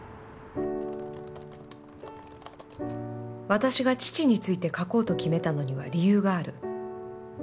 「私が父について書こうと決めたのには理由がある。